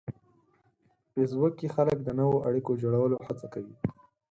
په فېسبوک کې خلک د نوو اړیکو جوړولو هڅه کوي